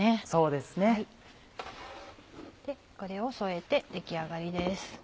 でこれを添えて出来上がりです。